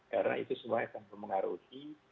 karena itu semua akan mempengaruhi